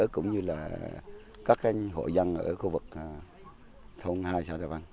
cũng như là các hội dân ở khu vực thông hai sài gòn